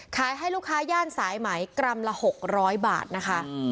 ให้ลูกค้าย่านสายไหมกรัมละ๖๐๐บาทนะคะ